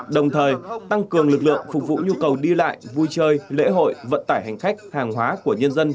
đồng thời tăng cường lực lượng phục vụ nhu cầu đi lại vui chơi lễ hội vận tải hành khách hàng hóa của nhân dân